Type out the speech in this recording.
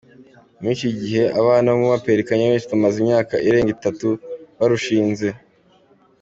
Muri iki gihe abana n’umuraperi Kanye West bamaze imyaka irenga itatu barushinze.